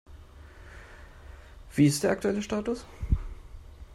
Wie ist der aktuelle Status?